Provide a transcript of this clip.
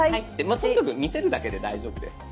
とにかく見せるだけで大丈夫です。